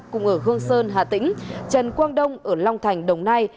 cùng ở hương sơn hà tĩnh trần quang đông ở long thành đồng nai